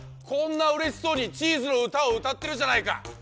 こんなうれしそうにチーズのうたをうたってるじゃないか！